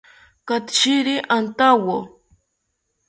Katshiri antawo